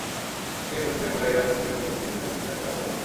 সেই বৈঠকের পরেই রাজ্য কমিটির অভিমত কেন্দ্রীয় কমিটির কাছে পাঠানো হবে।